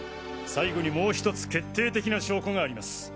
最後にもうひとつ決定的な証拠があります。